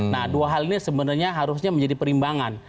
nah dua hal ini sebenarnya harusnya menjadi perimbangan